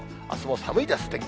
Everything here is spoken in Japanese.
あすも寒いです。